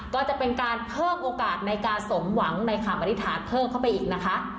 ก็จะเป็นการเพิ่มโอกาสในการสมหวังในคำอธิษฐานเพิ่มเข้าไปอีกนะคะ